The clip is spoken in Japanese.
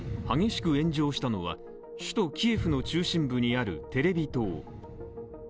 激しく炎上したのは首都キエフの中心部にあるテレビ塔。